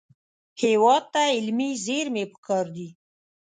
هېواد ته علمي زېرمې پکار دي